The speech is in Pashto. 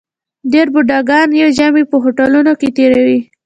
ډېر بوډاګان یې ژمی په هوټلونو کې تېروي.